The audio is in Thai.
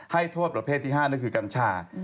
ให้โทษประเภทที่๕นั่นคือกัญชา